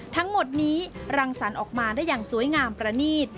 ทั้งหมดนี้รังสรรค์ออกมาได้อย่างสวยงามประนีต